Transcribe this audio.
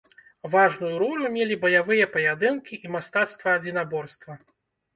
Важную ролю мелі баявыя паядынкі і мастацтва адзінаборства.